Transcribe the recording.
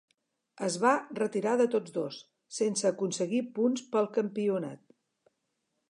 Es va retirar de tots dos, sense aconseguir punts pel campionat.